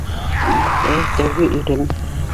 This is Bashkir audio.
Ә тәүге ирем!